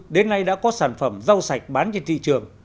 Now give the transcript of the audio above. đến nay đã có sản phẩm rau sạch bán trên thị trường